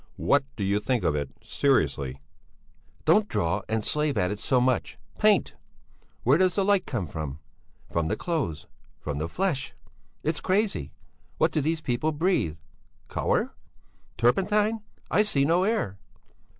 "What do you think of it, seriously?" "Don't draw and slave at it so much! Paint! Where does the light come from? From the clothes, from the flesh! It's crazy! What do these people breathe? Colour! Turpentine! I see no air!"